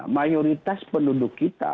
mayoritas penduduk kita